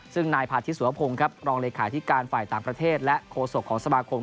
ซึ่งนายพาทิตสุวพงศ์ครับรองเลขาธิการฝ่ายต่างประเทศและโฆษกของสมาคม